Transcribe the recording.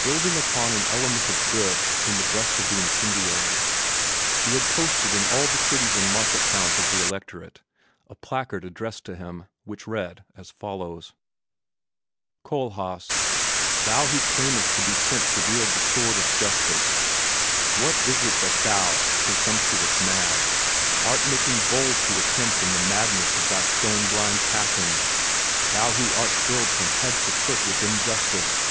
Building upon an element of good in the breast of the incendiary, he had posted in all the cities and market towns of the Electorate a placard addressed to him, which read as follows: "Kohlhaas, thou who claimest to be sent to wield the sword of justice, what is it that thou, presumptuous man, art making bold to attempt in the madness of thy stone blind passion thou who art filled from head to foot with injustice?